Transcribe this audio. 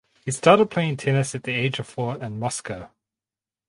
He started playing tennis at the age of four in Moscow.